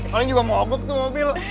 paling juga mogok tuh mobil